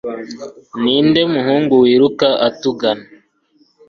Ninde muhungu wiruka atugana